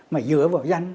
mà dựa vào danh